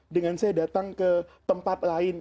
dengan saya datang ke tempat lain